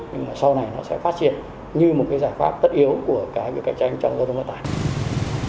nhưng mà sau này nó sẽ phát triển như một cái giải pháp tất yếu của cả cái cạnh tranh trong doanh nghiệp vận tải